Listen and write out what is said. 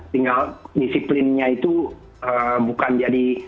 tinggal disiplinnya itu bukan jadi